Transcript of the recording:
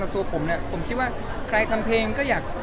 ตัวผมเนี่ยผมคิดว่าใครทำเพลงก็อยาก